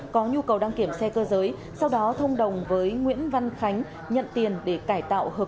có nhu cầu đăng kiểm xe cơ giới sau đó thông đồng với nguyễn văn khánh nhận tiền để cải tạo hợp